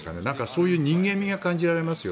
そういう人間味が感じられます。